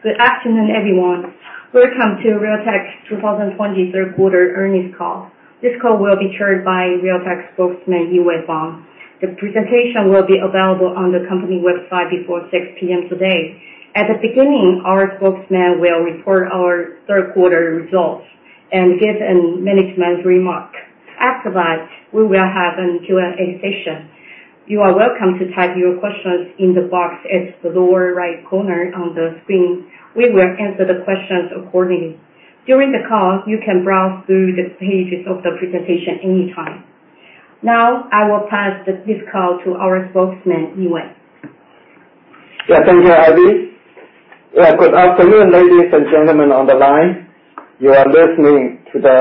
Good afternoon, everyone. Welcome to Realtek's 2020 third quarter earnings call. This call will be chaired by Realtek Spokesman, Yee-Wei Huang. The presentation will be available on the company website before 6:00 P.M. today. At the beginning, our spokesman will report our third quarter results and give a management remark. After that, we will have an Q&A session. You are welcome to type your questions in the box at the lower right corner on the screen. We will answer the questions accordingly. During the call, you can browse through the pages of the presentation anytime. Now, I will pass this call to our spokesman, Yee-Wei. Thank you, Abby. Good afternoon, ladies and gentlemen on the line. You are listening to the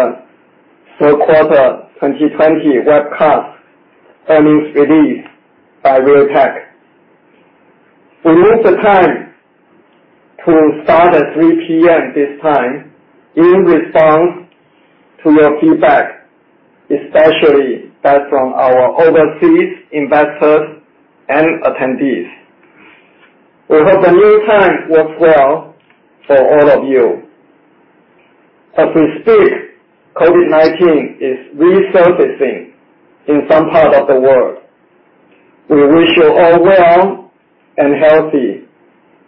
third quarter 2020 webcast earnings release by Realtek. We moved the time to start at 3:00 P.M. this time in response to your feedback, especially that from our overseas investors and attendees. We hope the new time works well for all of you. As we speak, COVID-19 is resurfacing in some part of the world. We wish you all well and healthy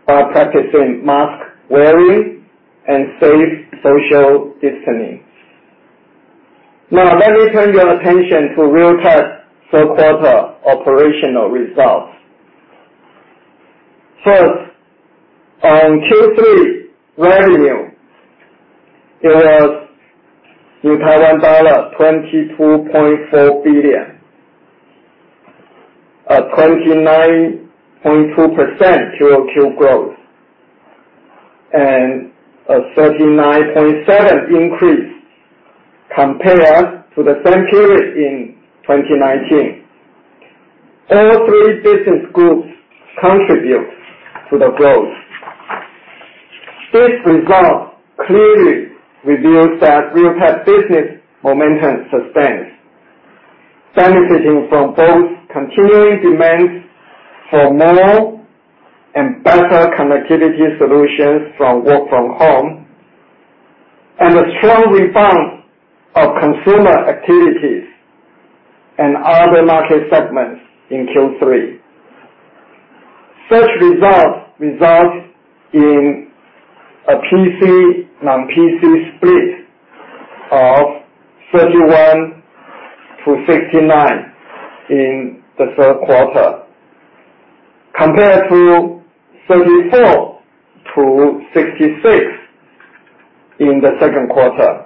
by practicing mask-wearing and safe social distancing. Let me turn your attention to Realtek's third quarter operational results. On Q3 revenue, it was Taiwan dollar 22.4 billion, a 29.2% QoQ growth, and a 39.7% increase compared to the same period in 2019. All three business groups contribute to the growth. This result clearly reveals that Realtek business momentum sustains, benefiting from both continuing demands for more and better connectivity solutions from work from home, and a strong rebound of consumer activities and other market segments in Q3. Such results result in a PC, non-PC split of 31 to 69 in the third quarter, compared to 34 to 66 in the second quarter.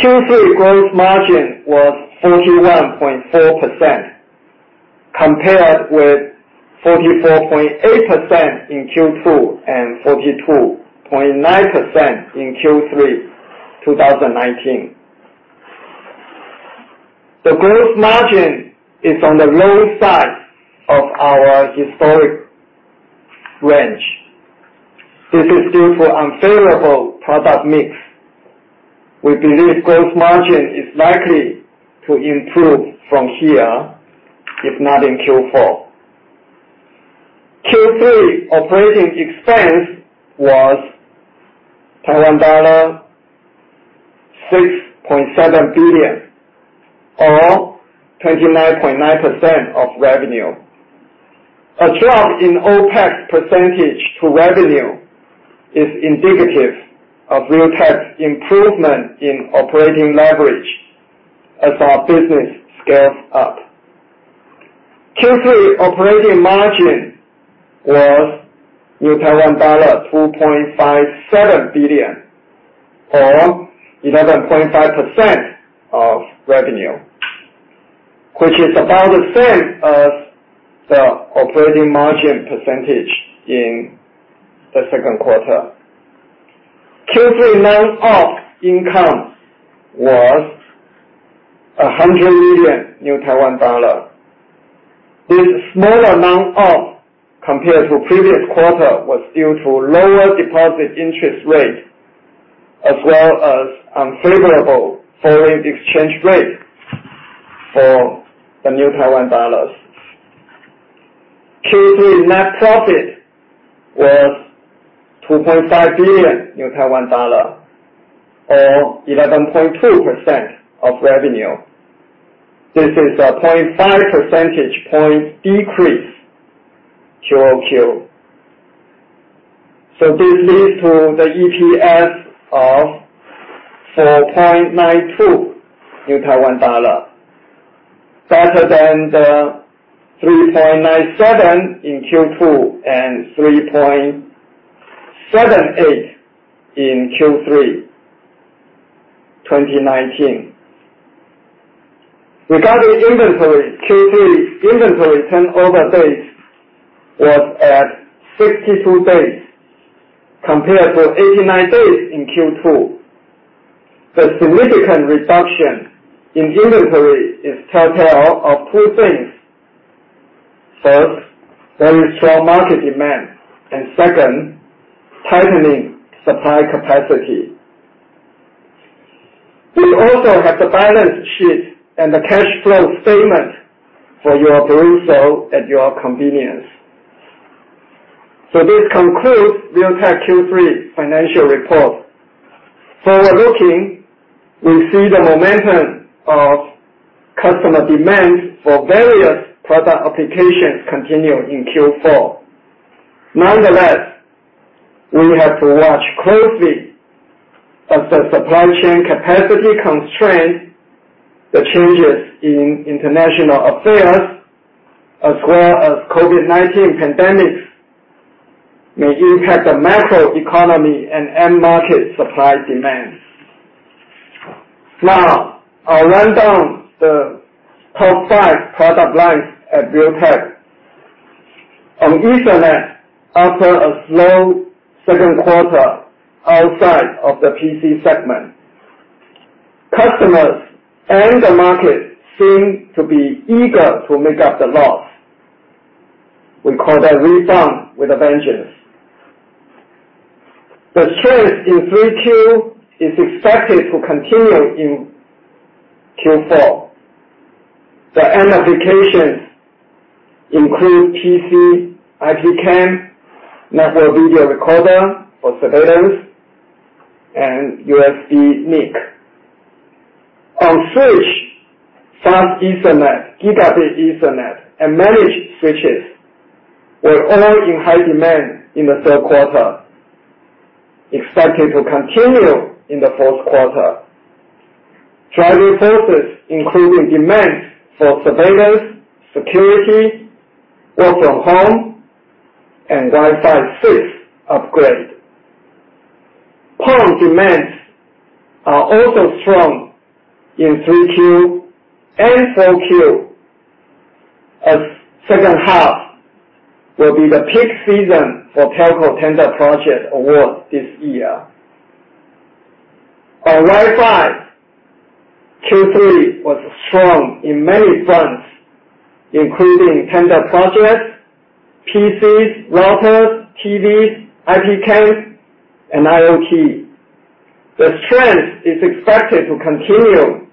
Q3 gross margin was 41.4%, compared with 44.8% in Q2 and 42.9% in Q3 2019. The gross margin is on the low side of our historic range. We believe gross margin is likely to improve from here, if not in Q4. Q3 operating expense was TWD 6.7 billion, or 29.9% of revenue. A drop in OpEx percentage to revenue is indicative of Realtek's improvement in operating leverage as our business scales up. Q3 operating margin was TWD 2.57 billion, or 11.5% of revenue, which is about the same as the operating margin percentage in the second quarter. Q3 non-op income was 100 million. This small amount op compared to previous quarter was due to lower deposit interest rate, as well as unfavorable foreign exchange rate for the New Taiwan Dollars. Q3 net profit was 2.5 billion, or 11.2% of revenue. This is a 0.5 percentage point decrease QoQ. This leads to the EPS of 4.92, better than the 3.97 in Q2 and 3.78 in Q3 2019. Regarding inventory, Q3 inventory turnover days was at 62 days compared to 89 days in Q2. The significant reduction in inventory is telltale of two things. First, very strong market demand, and second, tightening supply capacity. We also have the balance sheet and the cash flow statement for your perusal at your convenience. This concludes Realtek Q3 financial report. Forward looking, we see the momentum of customer demand for various product applications continue in Q4. Nonetheless, we have to watch closely as the supply chain capacity constraints, the changes in international affairs, as well as COVID-19 pandemic may impact the macro economy and end market supply demands. Now, I'll run down the top 5 product lines at Realtek. On Ethernet, after a slow second quarter outside of the PC segment, customers and the market seem to be eager to make up the loss. We call that rebound with a vengeance. The strength in Q3 is expected to continue in Q4. The end applications include PC, IP cam, network video recorder for surveillance, and USB NIC. On switch, Fast Ethernet, Gigabit Ethernet, and managed switches were all in high demand in the third quarter. Expected to continue in the fourth quarter. Driving forces including demand for surveillance, security, work from home, and Wi-Fi 6 upgrade. PON demands are also strong in 3Q and 4Q, as second half will be the peak season for telco tender project award this year. On Wi-Fi, Q3 was strong in many fronts, including tender projects, PCs, routers, TVs, IP Cams, and IoT. The strength is expected to continue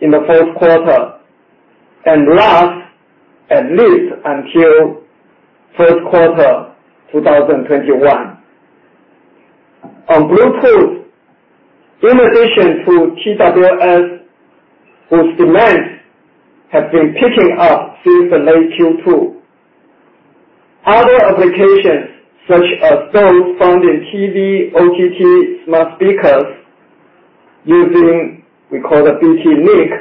in the fourth quarter and last at least until first quarter 2021. On Bluetooth, in addition to TWS, whose demands have been picking up since the late Q2, other applications such as those found in TV, OTT, smart speakers using we call the Bluetooth NIC,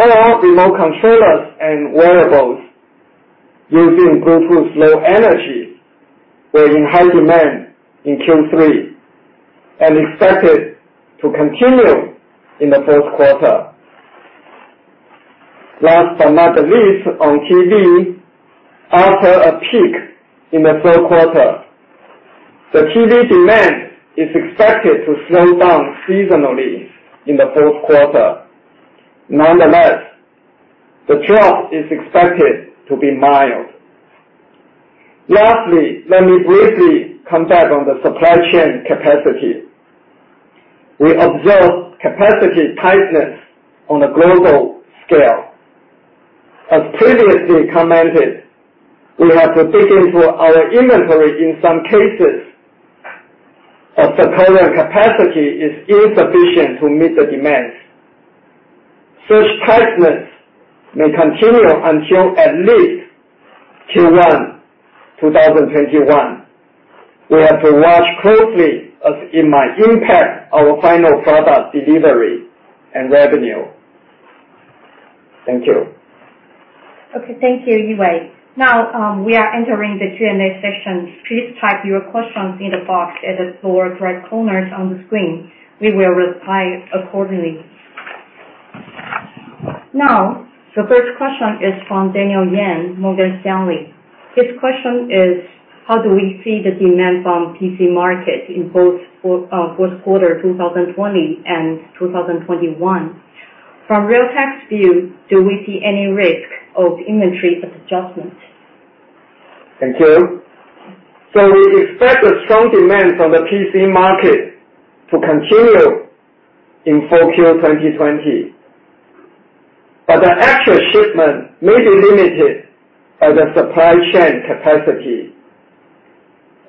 or remote controllers and wearables using Bluetooth Low Energy, were in high demand in Q3 and expected to continue in the fourth quarter. Last but not the least, on TV, after a peak in the third quarter, the TV demand is expected to slow down seasonally in the fourth quarter. The drop is expected to be mild. Let me briefly come back on the supply chain capacity. We observe capacity tightness on a global scale. As previously commented, we have to dig into our inventory in some cases as the current capacity is insufficient to meet the demands. Such tightness may continue until at least Q1 2021. We have to watch closely as it might impact our final product delivery and revenue. Thank you. Okay, thank you, Yee-Wei. We are entering the Q&A session. Please type your questions in the box at the lower right corners on the screen. We will reply accordingly. The first question is from Daniel Yen, Morgan Stanley. His question is: How do we see the demand from PC market in both fourth quarter 2020 and 2021? From Realtek's view, do we see any risk of inventory adjustment? Thank you. We expect the strong demand from the PC market to continue in 4Q 2020. The actual shipment may be limited by the supply chain capacity.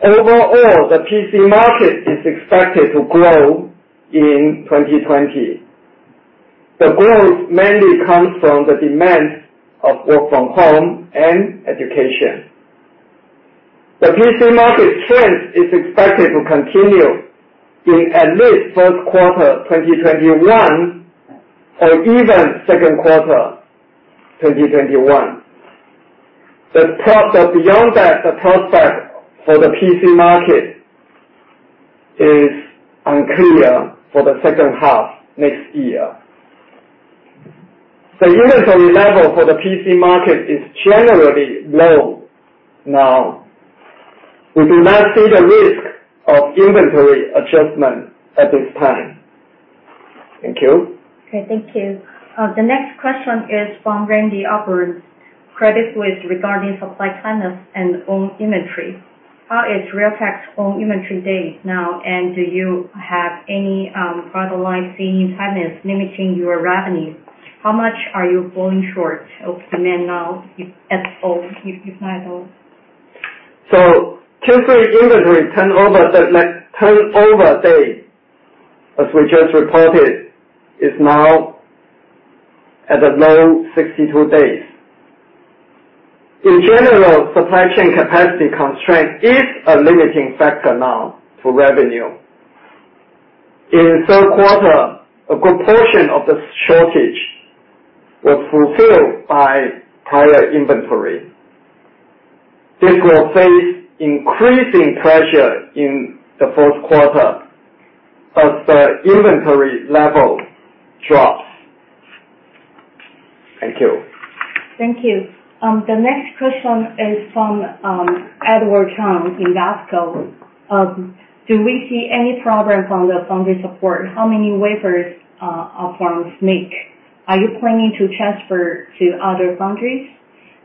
Overall, the PC market is expected to grow in 2020. The growth mainly comes from the demand of work from home and education. The PC market strength is expected to continue in at least 1Q 2021 or even 2Q 2021. Beyond that, the prospect for the PC market is unclear for the second half next year. The inventory level for the PC market is generally low now. We do not see the risk of inventory adjustment at this time. Thank you. Okay, thank you. The next question is from Randy Abrams, Credit Suisse. Regarding supply chain and own inventory. How is Realtek's own inventory days now, and do you have any product line seeing tightness limiting your revenues? How much are you falling short of demand now, if at all, if not at all? Q3 inventory turnover days, as we just reported, is now at a low 62 days. In general, supply chain capacity constraint is a limiting factor now for revenue. In the third quarter, a good portion of the shortage was fulfilled by prior inventory. This will face increasing pressure in the fourth quarter as the inventory level drops. Thank you. Thank you. The next question is from Edward Chang, Invesco. Do we see any problem from the foundry support? How many wafers are from SMIC? Are you planning to transfer to other foundries?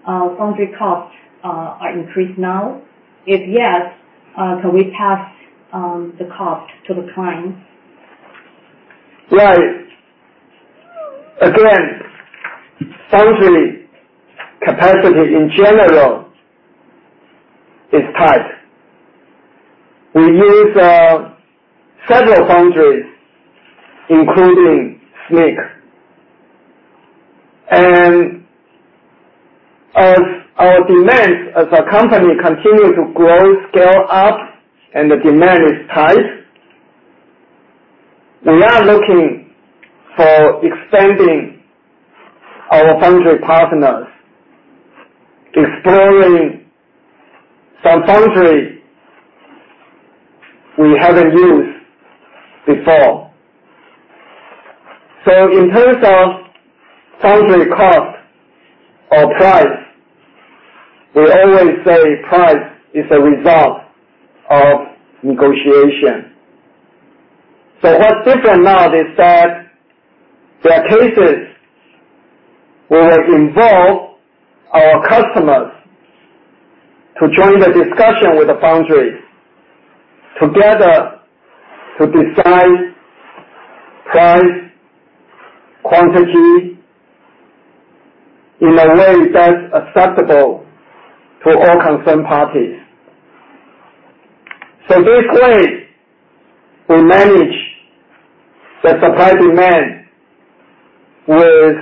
Foundry costs are increased now. If yes, can we pass the cost to the client? Right. Again, foundry capacity, in general, is tight. We use several foundries, including SMIC. As our demands as a company continue to grow, scale up, and the demand is tight, we are looking for expanding our foundry partners, exploring some foundry we haven't used before. In terms of foundry cost or price, we always say price is a result of negotiation. What's different now is that there are cases where we involve our customers to join the discussion with the foundry together to decide price, quantity, in a way that's acceptable to all concerned parties. This way, we manage the supply-demand with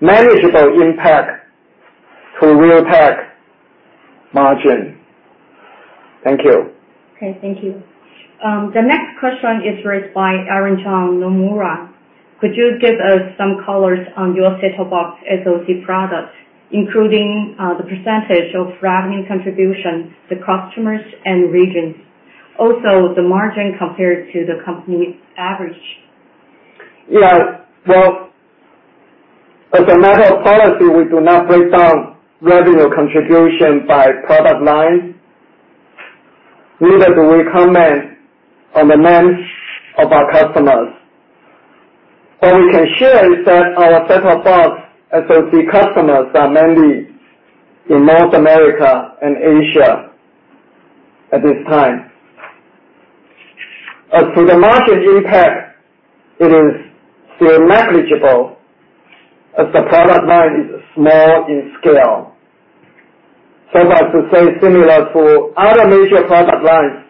manageable impact to Realtek margin. Thank you. Okay. Thank you. The next question is raised by Aaron Jeng, Nomura. Could you give us some colors on your set-top box SoC products, including the percentage of revenue contribution to customers and regions? The margin compared to the company's average. Yeah. Well, as a matter of policy, we do not break down revenue contribution by product line, neither do we comment on the names of our customers. What we can share is that our set-top box SoC customers are mainly in North America and Asia at this time. As to the margin impact, it is still negligible as the product line is small in scale. That to say similar to other major product lines,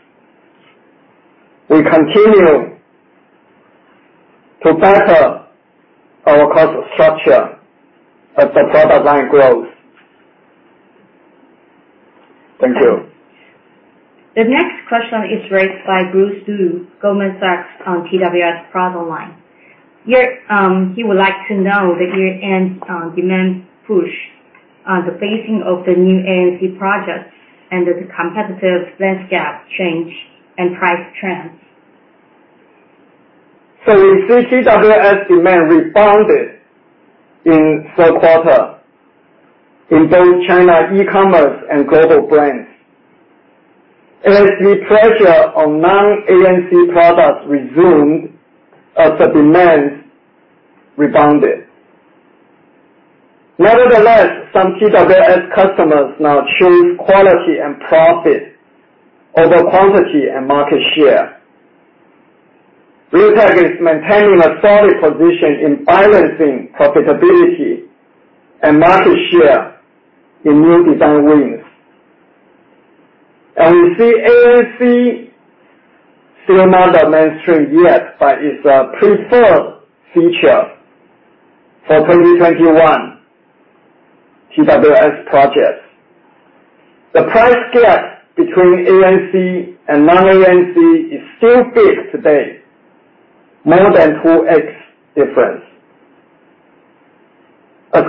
we continue to better our cost structure as the product line grows. Thank you. The next question is raised by Bruce Lu, Goldman Sachs, on TWS product line. He would like to know the year-end demand push on the phasing of the new ANC projects and the competitive landscape change and price trends. We see TWS demand rebounded in the third quarter in both China e-commerce and global brands. ANC pressure on non-ANC products resumed as the demands rebounded. Nevertheless, some TWS customers now choose quality and profit over quantity and market share. Realtek is maintaining a solid position in balancing profitability and market share in new design wins. We see ANC still not the mainstream yet, but it's a preferred feature for 2021 TWS projects. The price gap between ANC and non-ANC is still big today, more than 2X difference. Well,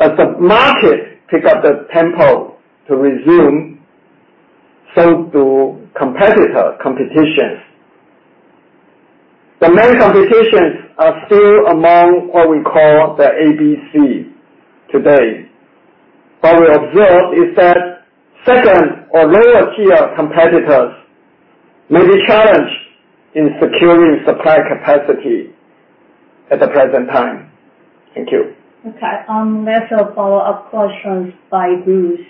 as the market picks up the tempo to resume, so does competition. The main competitions are still among what we call the ABC today. What we observe is that second or lower tier competitors may be challenged in securing supply capacity at the present time. Thank you. Okay. There's a follow-up question by Bruce.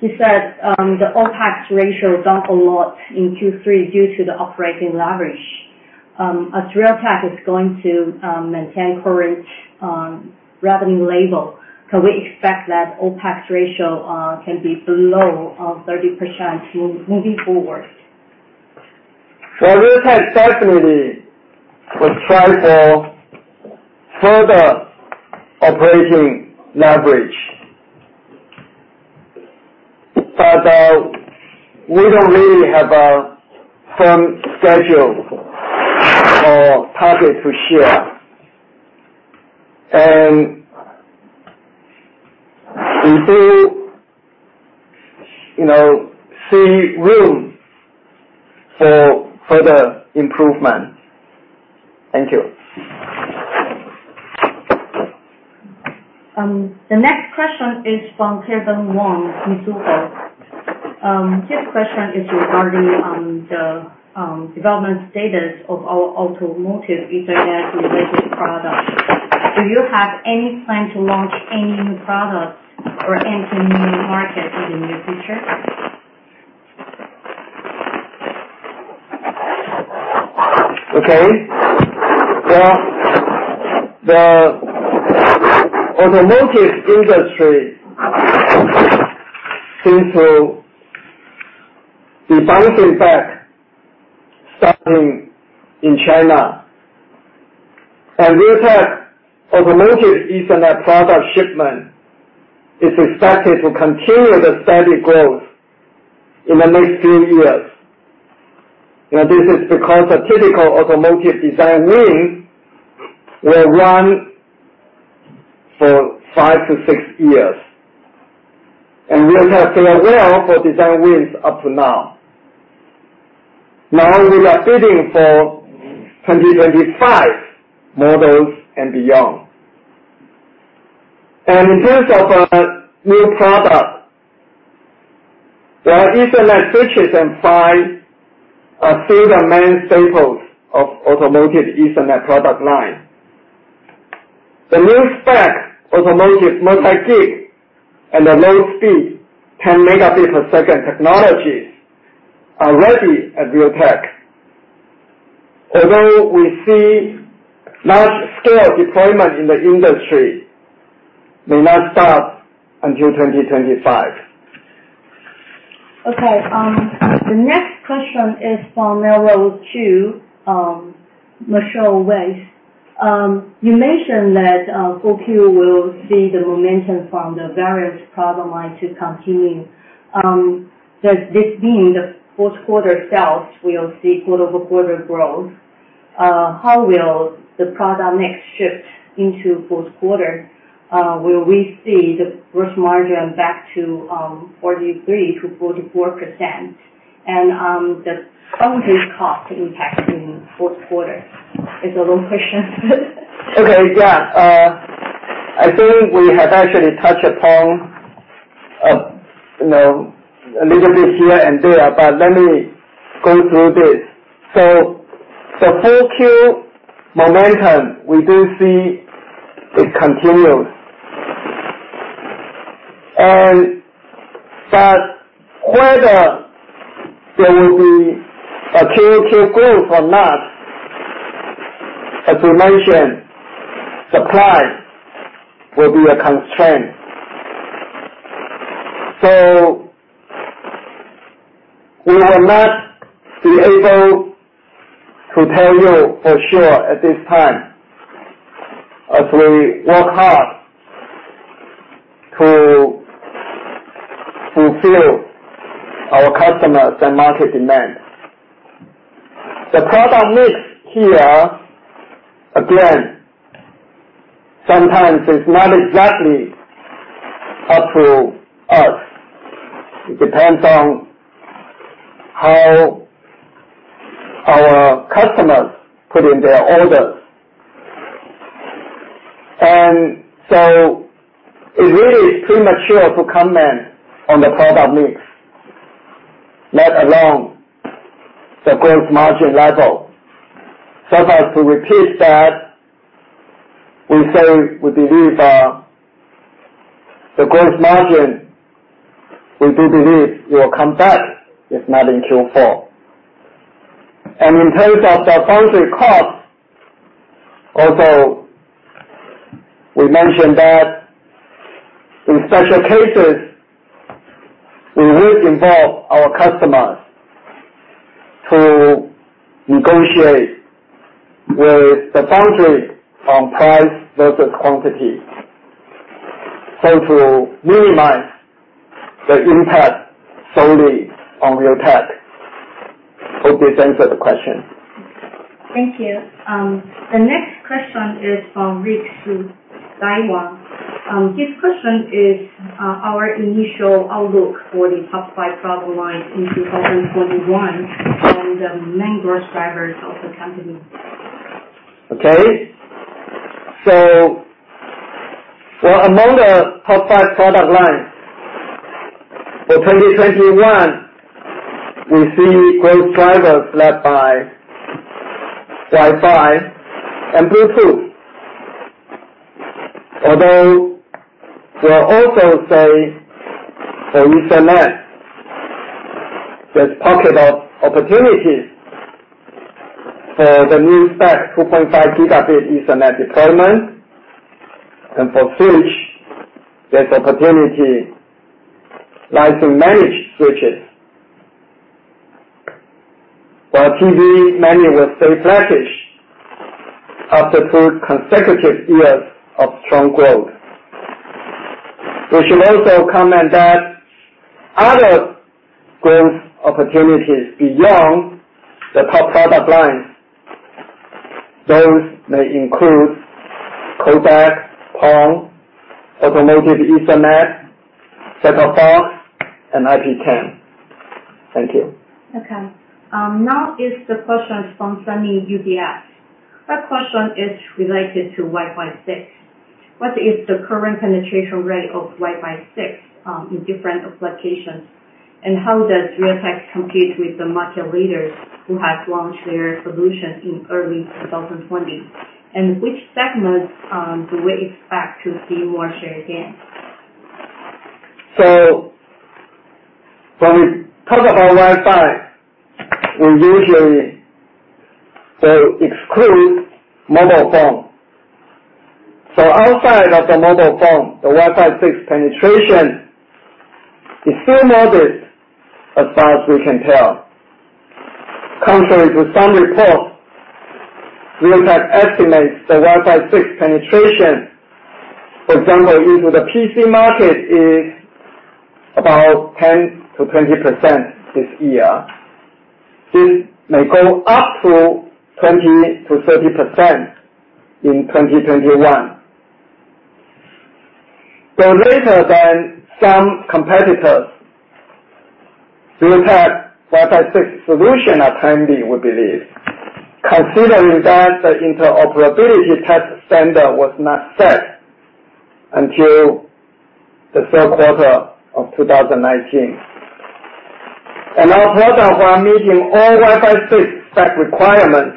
He said, the OpEx ratio dropped a lot in Q3 due to the operating leverage. As Realtek is going to maintain current revenue level, can we expect that OpEx ratio can be below 30% moving forward? Well, Realtek definitely will try for further operating leverage. We don't really have a firm schedule or target to share. We do see room for further improvement. Thank you. The next question is from Kevin Wang, Mizuho. Kevin's question is regarding the development status of our automotive Ethernet-enabled products. Do you have any plan to launch any new products or enter new markets in the near future? Okay. Well, the automotive industry seems to be bouncing back, starting in China. Realtek automotive Ethernet product shipment is expected to continue the steady growth in the next few years. This is because a typical automotive design win will run for five to six years, and Realtek did well for design wins up to now. Now we are bidding for 2025 models and beyond. In terms of new product, well, Ethernet switches and PHY are still the main staples of automotive Ethernet product line. The new spec automotive multi-gig and the low-speed 10 Mbps technologies are ready at Realtek. Although we see large-scale deployment in the industry may not start until 2025. Okay. The next question is from Michelle Weiss. You mentioned that 4Q will see the momentum from the various product lines continuing. Does this mean the fourth quarter sales will see quarter-over-quarter growth? How will the product mix shift into fourth quarter? Will we see the gross margin back to 43%-44%? The foundry cost impact in fourth quarter? It's a long question. Okay, yeah. I think we have actually touched upon a little bit here and there, but let me go through this. For 4Q momentum, we do see it continues. Whether there will be a QoQ growth or not, as we mentioned, supply will be a constraint. We will not be able to tell you for sure at this time, as we work hard to fulfill our customers and market demand. The product mix here, again, sometimes it's not exactly up to us. It depends on how our customers put in their orders. It really is premature to comment on the product mix, let alone the gross margin level. Just to repeat that, we say we believe the gross margin, we do believe it will come back, if not in Q4. In terms of the foundry cost, also, we mentioned that in such cases, we would involve our customers to negotiate with the foundry on price versus quantity. To minimize the impact solely on Realtek. Hope this answered the question. Thank you. The next question is from Rick Hsu, Daiwa. His question is our initial outlook for the top five product lines in 2021 and the main growth drivers of the company. Among the Top 5 product lines, for 2021, we see growth drivers led by Wi-Fi and Bluetooth. We'll also say Ethernet. Let's talk about opportunities. For the new spec, 2.5 Gb Ethernet deployment, and for switch, there's opportunity, like managed switches. For TV, many will stay sluggish after two consecutive years of strong growth. We should also comment that other growth opportunities beyond the top product lines, those may include codec, PON, automotive Ethernet, set-top box, and IPTV. Thank you. Okay. Now is the question from Sonny UBS. That question is related to Wi-Fi 6. What is the current penetration rate of Wi-Fi 6, in different applications? How does Realtek compete with the market leaders who have launched their solutions in early 2020? Which segments do we expect to see more share gains? When we talk about Wi-Fi, we usually exclude mobile phone. Outside of the mobile phone, the Wi-Fi 6 penetration is still modest as far as we can tell. Contrary to some reports, Realtek estimates the Wi-Fi 6 penetration, for example, into the PC market is about 10%-20% this year. This may go up to 20%-30% in 2021. Though later than some competitors, Realtek Wi-Fi 6 solution are timely, we believe, considering that the interoperability test standard was not set until the third quarter of 2019. Our products are meeting all Wi-Fi 6 spec requirements.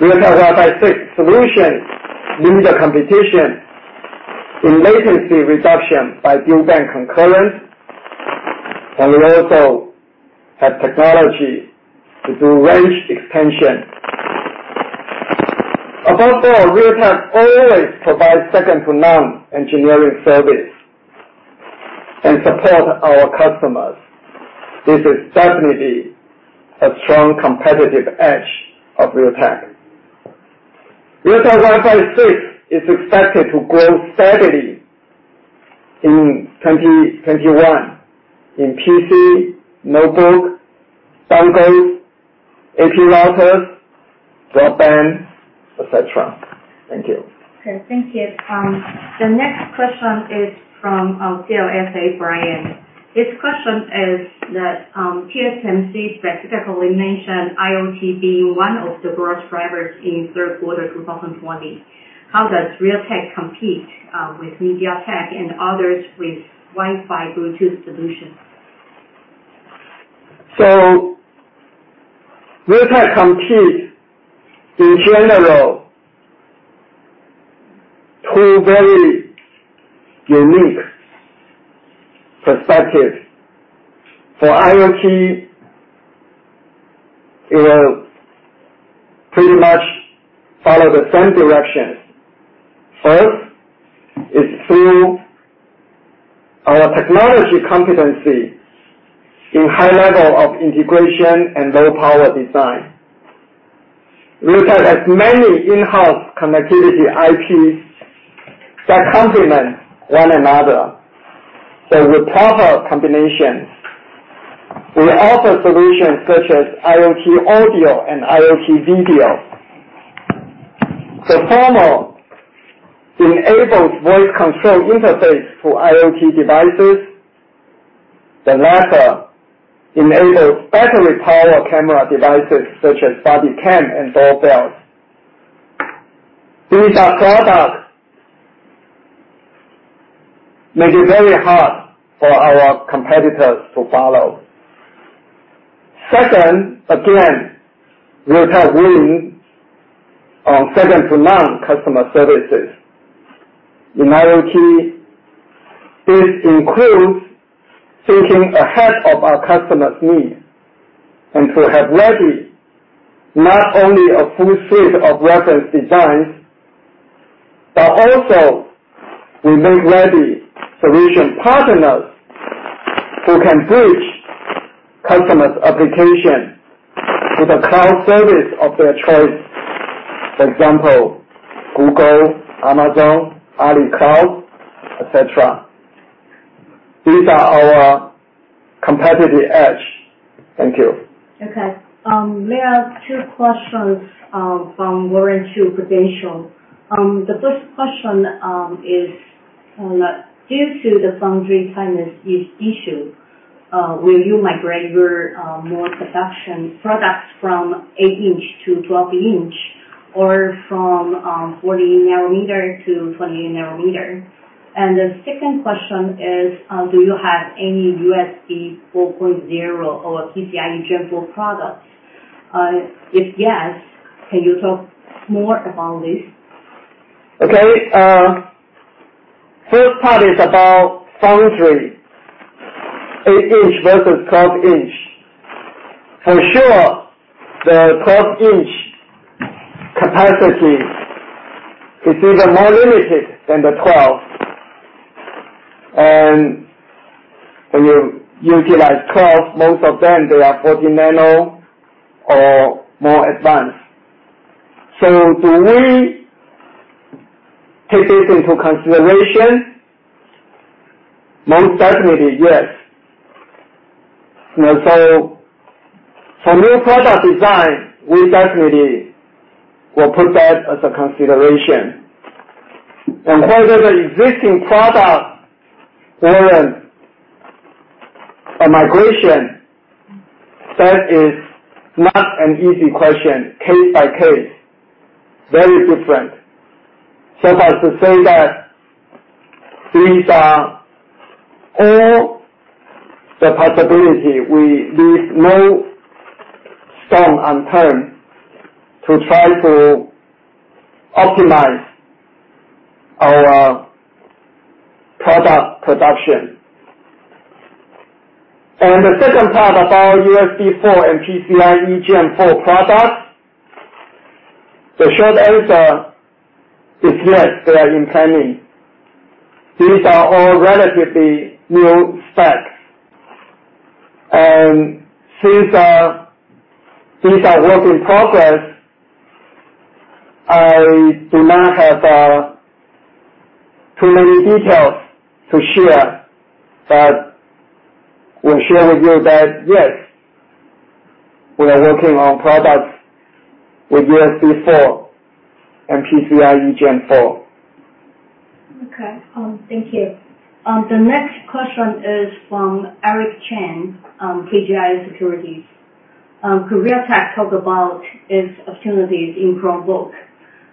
Realtek Wi-Fi 6 solution lead the competition in latency reduction by dual-band concurrence, and we also have technology to do range extension. Above all, Realtek always provide second-to-none engineering service and support our customers. This is certainly a strong competitive edge of Realtek. Realtek Wi-Fi 6 is expected to grow steadily in 2021 in PC, notebook, dongles, AP routers, broadband, et cetera. Thank you. Okay. Thank you. The next question is from CLSA, Brian. His question is that TSMC specifically mentioned IoT being one of the growth drivers in third quarter 2020. How does Realtek compete with MediaTek and others with Wi-Fi, Bluetooth solutions? Realtek competes, in general, through very unique perspectives. For IoT, it will pretty much follow the same direction. First, is through our technology competency in high level of integration and low power design. Realtek has many in-house connectivity IPs that complement one another. They would offer combinations. We offer solutions such as IoT audio and IoT video. The former enables voice control interface for IoT devices. The latter enables battery power camera devices such as body cam and doorbells. These are products make it very hard for our competitors to follow. Second, again, Realtek wins on second-to-none customer services. In IoT, this includes thinking ahead of our customers' needs, and to have ready not only a full suite of reference designs, but also we make ready solution partners who can bridge customers' application to the cloud service of their choice. For example, Google, Amazon, Ali Cloud, et cetera. These are our competitive edge. Thank you. Okay. There are two questions from Warren Shu, Prudential. The first question is, due to the foundry timing issue, will you migrate more production products from eight inch to 12 in or from 40 nm to 28 nm? The second question is, do you have any USB 4.0 or PCIe Gen 4 products? If yes, can you talk more about this? First part is about foundry, 8 in versus 12 in. For sure, the 12 in capacity is even more limited than the 12. When you utilize 12, most of them, they are 40 nm or more advanced. Do we take this into consideration? Most definitely, yes. For new product design, we definitely will put that as a consideration. For the existing product, Warren, a migration, that is not an easy question, case by case, very different. If I should say that these are all the possibility. We leave no stone unturned to try to optimize our product production. The second part about USB4 and PCIe Gen 4 products, the short answer is yes, they are in planning. These are all relatively new specs. Since these are work in progress, I do not have too many details to share, but we'll share with you that, yes, we are working on products with USB4 and PCIe Gen 4. Okay. Thank you. The next question is from Eric Chen, KGI Securities. Realtek talked about its opportunities in Chromebook.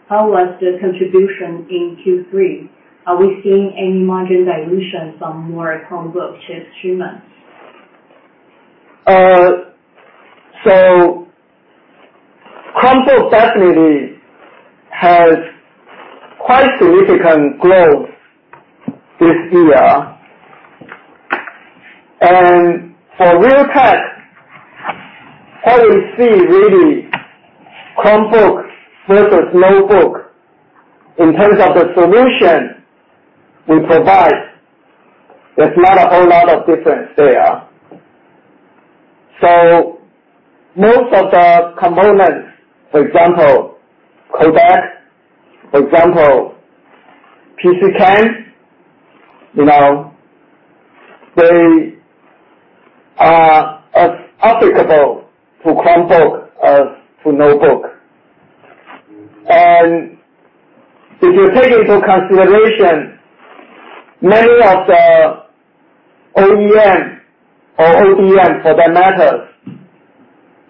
How was the contribution in Q3? Are we seeing any margin dilution from more Chromebook shipments? Chromebook definitely has quite significant growth this year. For Realtek, what we see really, Chromebook versus notebook, in terms of the solution we provide, there's not a whole lot of difference there. Most of the components, for example, codec, for example, PCIe, they are as applicable to Chromebook as to notebook. If you take into consideration many of the OEM or ODM for that matter,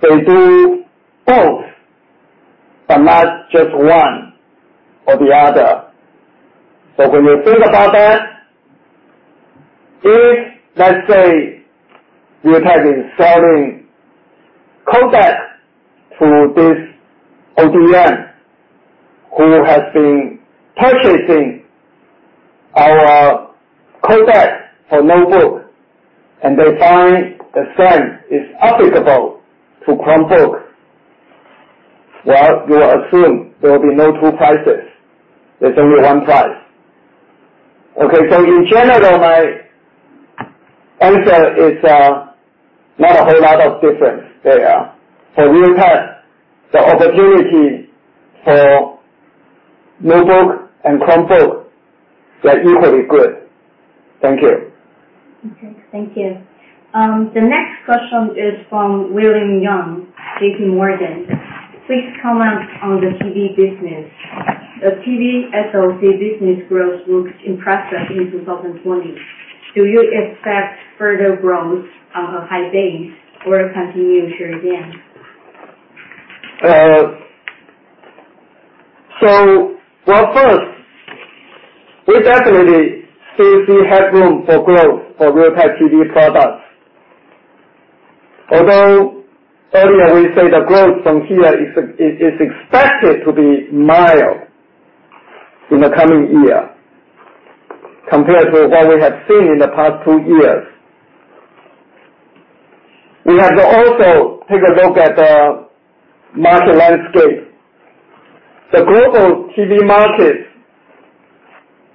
they do both, but not just one or the other. When you think about that, if, let's say, Realtek is selling codecs to this ODM who has been purchasing our codec for notebook, and they find the same is applicable to Chromebook. Well, you assume there will be no two prices. There's only one price. Okay. In general, my answer is, not a whole lot of difference there. For Realtek, the opportunity for notebook and Chromebook, they're equally good. Thank you. Okay. Thank you. The next question is from William Young, JPMorgan. Please comment on the TV business. The TV SoC business growth looks impressive in 2020. Do you expect further growth on a high base or continue to share again? Well, first, we definitely still see headroom for growth for Realtek TV products. Although earlier we said the growth from here is expected to be mild in the coming year compared to what we have seen in the past two years. We have to also take a look at the market landscape. The global TV market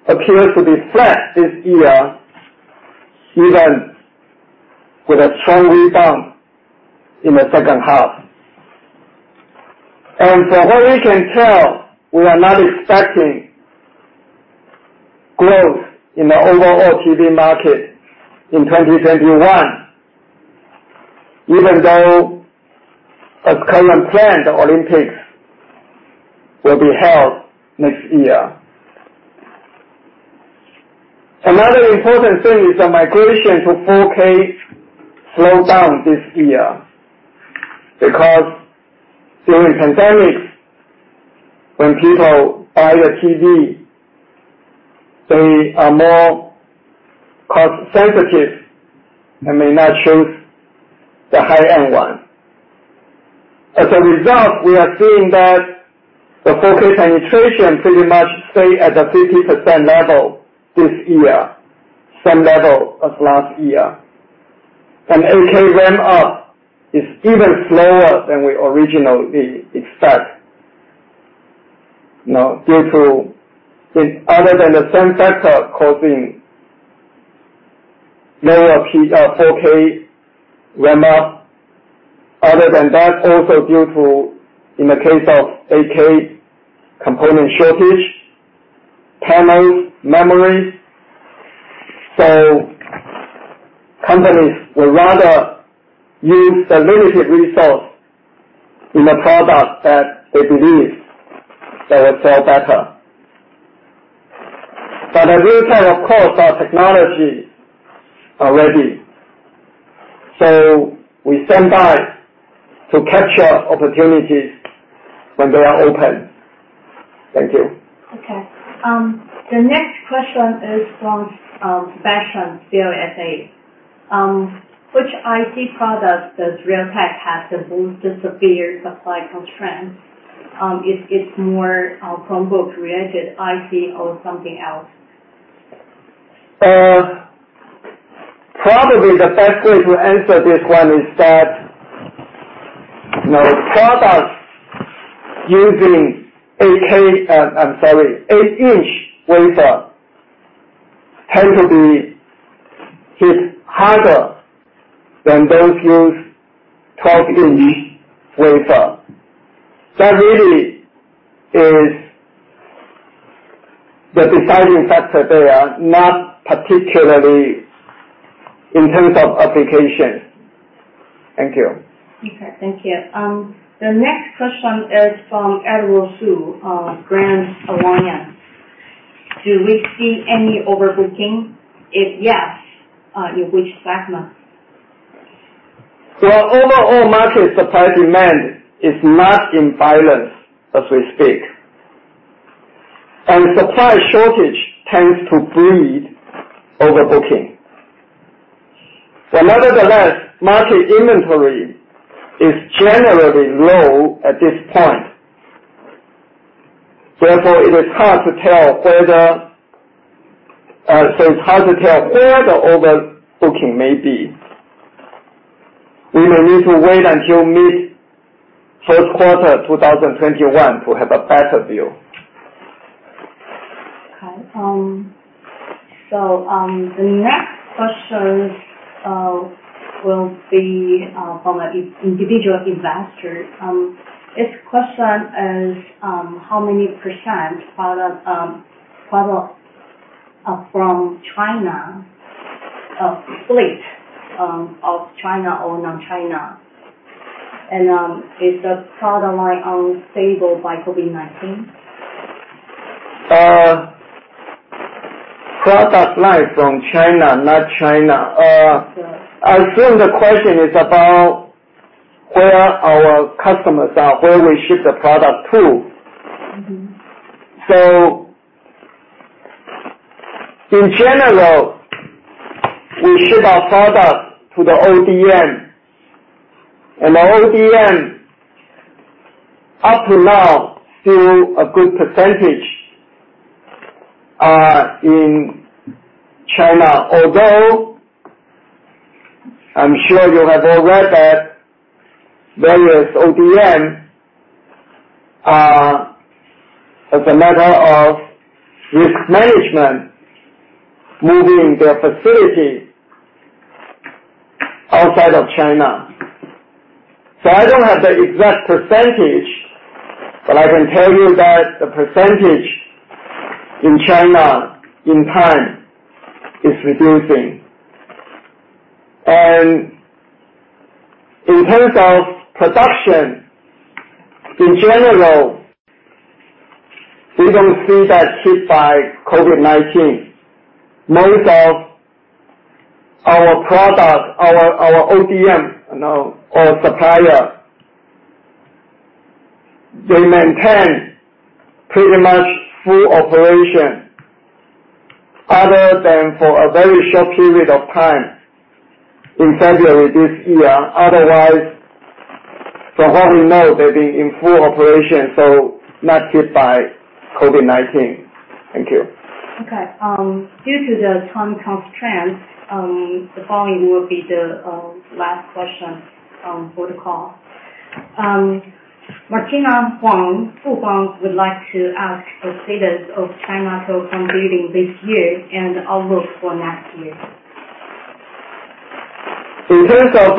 appears to be flat this year, even with a strong rebound in the second half. From what we can tell, we are not expecting growth in the overall TV market in 2021, even though, as currently planned, the Olympics will be held next year. Another important thing is the migration to 4K slowed down this year, because during pandemic, when people buy the TV, they are more cost sensitive and may not choose the high-end one. As a result, we are seeing that the 4K penetration pretty much stay at the 50% level this year, same level as last year. 8K ramp-up is even slower than we originally expect. Now, other than the same factor causing lower 4K ramp-up, other than that, also due to, in the case of 8K, component shortage, panels, memories. Companies would rather use the limited resource in the product that they believe they will sell better. At Realtek, of course, our technology are ready. We stand by to capture opportunities when they are open. Thank you. Okay. The next question is from Sebastian, CLSA. Which IT product does Realtek have that boosts the severe supply constraints? It is more Chromebook-related IT or something else? Probably the best way to answer this one is that products using 8 in wafer tend to be hit harder than those use 12 in wafer. That really is the deciding factor there, not particularly in terms of application. Thank you. Okay. Thank you. The next question is from Edward Su, Granite Point. Do we see any overbooking? If yes, in which segment? Overall market supply-demand is not in balance as we speak, and supply shortage tends to breed overbooking. Nevertheless, market inventory is generally low at this point. Therefore, it is hard to tell where the overbooking may be. We may need to wait until mid first quarter 2021 to have a better view. Okay. The next question will be from an individual investor. His question is, how many percent product are from China, split of China or non-China, and is the product line unstable by COVID-19? Product line from China, not China. That's right. I assume the question is about where our customers are, where we ship the product to. In general, we ship our product to the ODM. The ODM, up to now, still a good percentage are in China, although I'm sure you have all read that various ODM, as a matter of risk management, moving their facility outside of China. I don't have the exact percentage, but I can tell you that the percentage in China, in time, is reducing. In terms of production, in general, we don't see that hit by COVID-19. Most of our product, our ODM or supplier, they maintain pretty much full operation other than for a very short period of time in February this year. Otherwise, from what we know, they've been in full operation, so not hit by COVID-19. Thank you. Due to the time constraint, the following will be the last question for the call. Martina Huang, Fubon, would like to ask the status of China Telecom bidding this year and outlook for next year. In terms of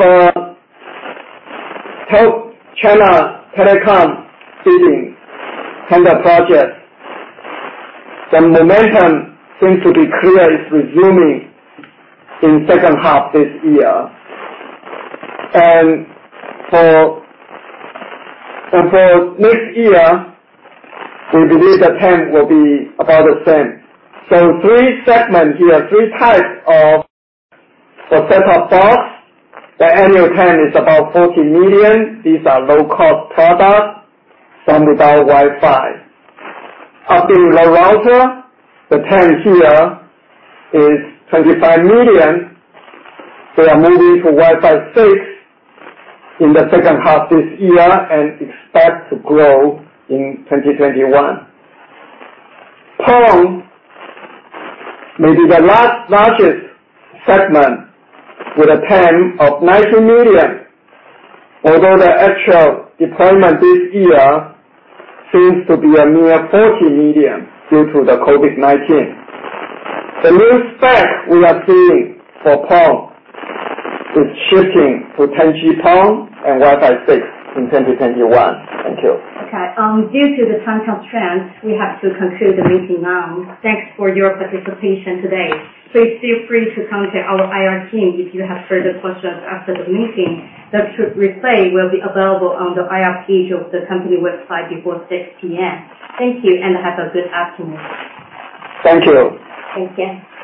China Telecom bidding kind of project, the momentum seems to be clear it's resuming in second half this year. For next year, we believe the TAM will be about the same. Three segments here, three types of set-top box. The annual TAM is about 40 million. These are low-cost products, some without Wi-Fi. Up in the router, the TAM here is TWD 25 million. They are moving to Wi-Fi 6 in the second half this year and expect to grow in 2021. PON may be the largest segment with a TAM of 90 million, although the actual deployment this year seems to be a mere 40 million due to the COVID-19. The new spec we are seeing for PON is shifting to 10G-PON and Wi-Fi 6 in 2021. Thank you. Okay. Due to the time constraint, we have to conclude the meeting now. Thanks for your participation today. Please feel free to contact our IR team if you have further questions after the meeting. The replay will be available on the IR page of the company website before 6:00 P.M. Thank you. Have a good afternoon. Thank you. Thank you.